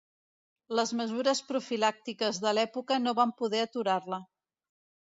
Les mesures profilàctiques de l'època no van poder aturar-la.